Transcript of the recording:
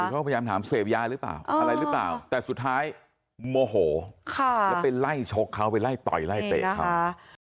เขาก็พยายามถามเสพยาหรือเปล่าอะไรหรือเปล่าแต่สุดท้ายโมโหค่ะแล้วไปไล่ชกเขาไปไล่ต่อยไล่เตะเขาค่ะ